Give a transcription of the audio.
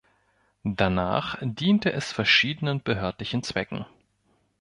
Danach diente es verschiedenen behördlichen Zwecken.